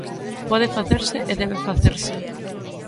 Pode facerse e debe facerse.